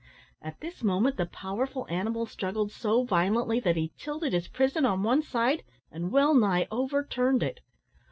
At this moment the powerful animal struggled so violently that he tilted his prison on one side, and well nigh overturned it.